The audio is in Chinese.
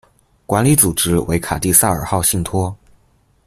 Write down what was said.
管理组织为卡蒂萨克号信托。